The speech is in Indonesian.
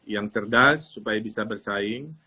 yang cerdas supaya bisa bersaing